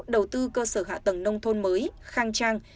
đầu tư cơ sở hạ tầng nông thôn mới khang trang